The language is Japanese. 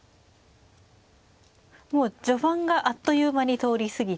もう序盤があっという間に通り過ぎて。